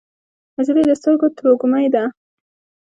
نجلۍ د سترګو تروږمۍ ده.